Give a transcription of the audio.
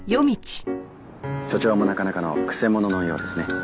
署長もなかなかの曲者のようですね。